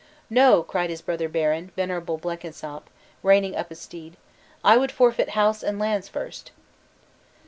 "No!" cried his brother baron, venerable Blenkinsopp, reining up his steed; "I would forfeit house and lands first."